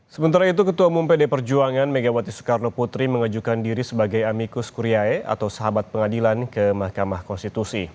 sementara itu ketua umum pd perjuangan megawati soekarno putri mengajukan diri sebagai amikus kuriae atau sahabat pengadilan ke mahkamah konstitusi